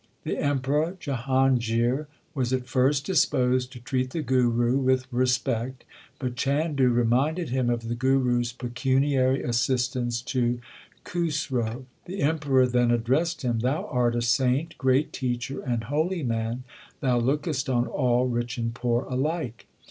The Emperor Jahangir was at first disposed to treat the Guru with respect, but Chandu reminded him of the Guru s pecuniary assistance to Khusro. The Emperor then addressed him : Thou art a saint, great teacher, and holy man ; thou lookest on all, rich and poor, alike.